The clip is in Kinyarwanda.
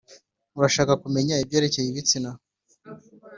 Urashaka kumenya ibyerekeye ibitsina